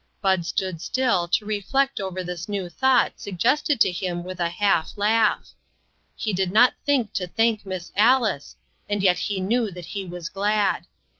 Bud stood still to reflect over this new thought suggested to him with a half laugh. He did not think to thank Miss Alice, and yet he knew that he was glad.